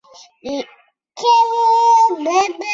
顺天府乡试第五十名。